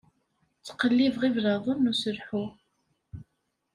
Ttqellibeɣ iblaḍen uselḥu.